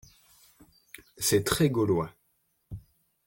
C’est très-gaulois.